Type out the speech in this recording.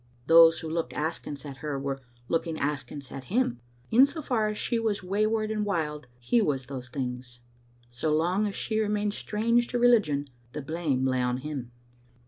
Those who looked askance at her were looking askance at him ; in so far as she was way ward and wild, he was those things ; so long as she re mained strange to religion, the blame lay on him.